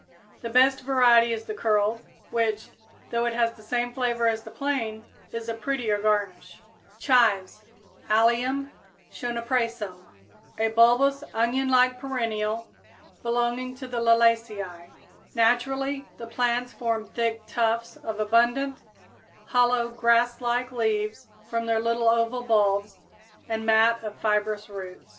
The best variety is the Curled, which, though it has the same flavor as the plain, is a prettier garnish. =Chives= (Allium Schoenoprasum, Linn.), a bulbous, onion like perennial belonging to the Liliaceæ. Naturally the plants form thick tufts of abundant, hollow, grasslike leaves from their little oval bulbs and mat of fibrous roots.